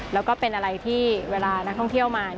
แล้วก็เป็นอะไรที่เวลานักท่องเที่ยวมา